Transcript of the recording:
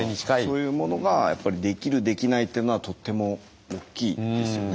そういうものがやっぱりできるできないというのはとっても大きいですよね。